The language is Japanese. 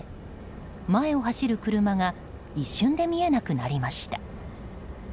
前を走る車が一瞬で見えなくなりました。